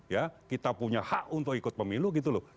ya kita punya hak untuk ikut pemilu gitu loh